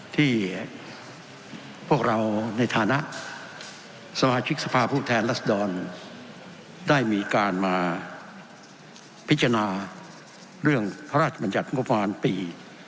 ที่พวกเราในฐานะสมาชิกสภาพูดแทนลักษณ์ดอนได้มีการมาพิจารณาเรื่องพระราชบรรยัตน์งบฟาลปี๒๕๖๕